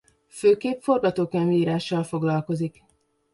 Főképp forgatókönyvírással foglalkozik.